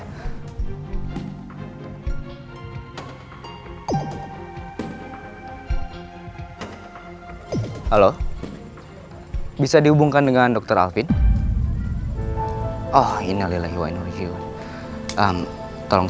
halo halo bisa dihubungkan dengan dokter alvin oh innalillahi wa innaulihiwa tolong